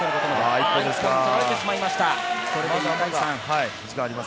１本取られてしまいました。